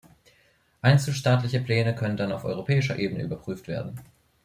Einzelstaatliche Pläne können dann auf europäischer Ebene überprüft werden.